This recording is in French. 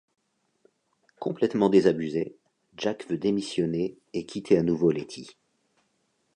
Complètement désabusé, Jack veut démissionner et quitter à nouveau Letty.